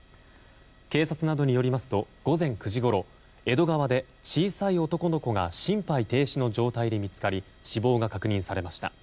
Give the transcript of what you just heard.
警察などによりますと午前９時ごろ江戸川で小さい男の子が心肺停止の状態で見つかり死亡が確認されました。